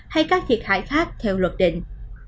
hay các thiệt hại khác theo luật định